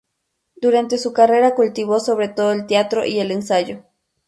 Durante su carrera cultivó sobre todo el teatro y el ensayo.